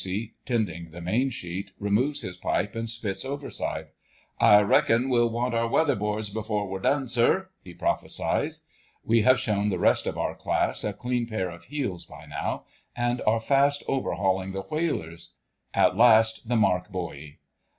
Casey, tending the main sheet, removes his pipe and spits overside. "I reckons we'll want our weather boards before we'm done, sir," he prophesies. We have shown the rest of our class a clean pair of heels by now, and are fast overhauling the whalers. At last the mark buoy.